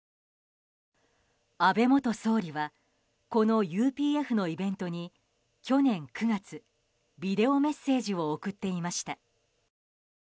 安倍元総理はこのＵＰＦのイベントに去年９月、ビデオメッセージを送っていました。